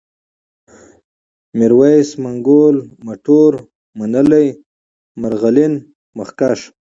ميرويس ، منگول ، مټور ، منلی ، مرغلين ، مخکښ